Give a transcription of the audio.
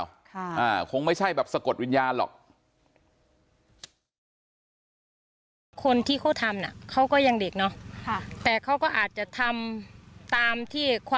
ค่ะอ่าคงไม่ใช่แบบสะกดวิญญาณหรอก